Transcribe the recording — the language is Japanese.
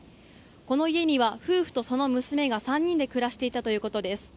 この家には夫婦とその娘が３人で暮らしていたということです。